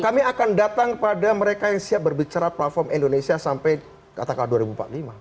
kami akan datang kepada mereka yang siap berbicara platform indonesia sampai katakan dua ribu empat puluh lima